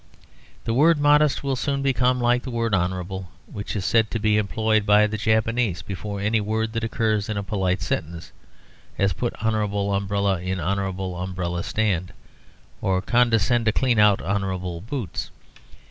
The word "modest" will soon become like the word "honourable," which is said to be employed by the Japanese before any word that occurs in a polite sentence, as "Put honourable umbrella in honourable umbrella stand;" or "condescend to clean honourable boots."